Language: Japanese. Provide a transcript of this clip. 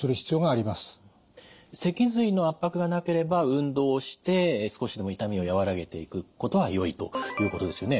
脊髄の圧迫がなければ運動をして少しでも痛みを和らげていくことはよいということですよね。